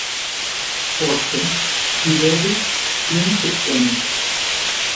Poste, ŝi devis sin subteni.